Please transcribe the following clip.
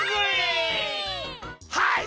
はい！